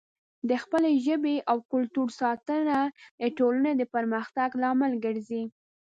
د خپلې ژبې او کلتور ساتنه د ټولنې د پرمختګ لامل ګرځي.